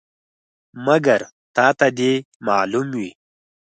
مګر تا ته دې معلومه وي.